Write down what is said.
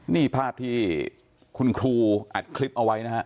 นี่ภาพที่คุณครูอัดคลิปเอาไว้นะฮะ